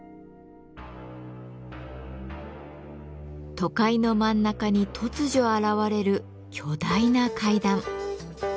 都会の真ん中に突如現れる巨大な階段。